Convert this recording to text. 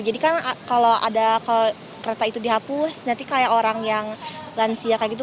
jadi kan kalau ada kereta itu dihapus nanti kayak orang yang lansia kayak gitu